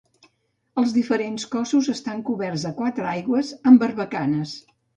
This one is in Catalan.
Els diferents cossos estan coberts a quatre aigües, amb barbacanes.